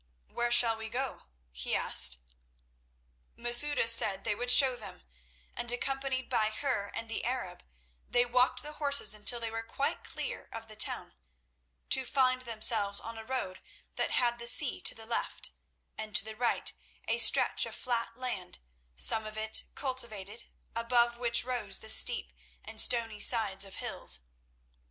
"Where shall we go?" he asked. Masouda said they would show them, and, accompanied by her and the Arab, they walked the horses until they were quite clear of the town, to find themselves on a road that had the sea to the left, and to the right a stretch of flat land, some of it cultivated, above which rose the steep and stony sides of hills.